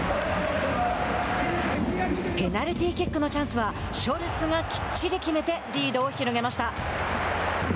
ペナルティーキックのチャンスはショルツがきっちり決めてリードを広げました。